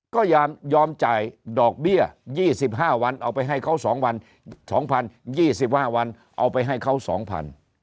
ก็ยอมจ่ายดอกเบี้ย๒๕วันเอาไปให้เขา๒วัน๒๐๒๕วันเอาไปให้เขา๒๐๐บาท